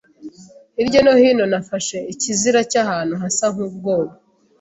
hirya no hino nafashe ikizira cyahantu hasa nkubwoba.